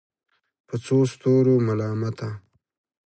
په څو ستورو ملامته